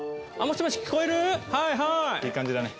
いい感じだね。